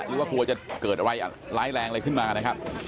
หรือว่ากลัวจะเกิดอะไรร้ายแรงอะไรขึ้นมานะครับ